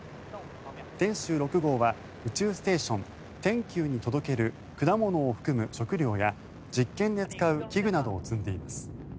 天舟６号は宇宙ステーション、天宮に届ける果物を含む食料や実験で使う器具などを積んでいます。